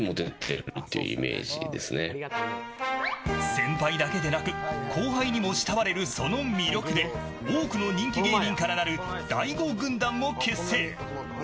先輩だけでなく後輩にも慕われるその魅力で多くの人気芸人からなる大悟軍団も結成。